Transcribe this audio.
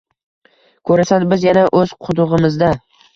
Ko’rasan biz yana o’z qudug’imizda